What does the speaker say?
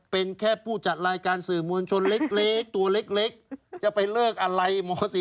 เป็นแค่ผู้จัดรายการสื่อมวลชนเล็กตัวเล็กจะไปเลิกอะไรม๔